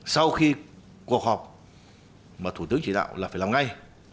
sau khi cuộc họp mà thủ tướng chỉ đạo là phải làm ngay